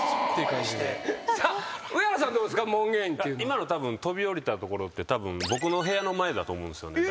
今のたぶん飛び降りた所って僕の部屋の前だと思うんですよね。